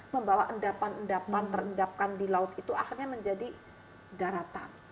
membawa endapan endapan terendapkan di laut itu akhirnya menjadi daratan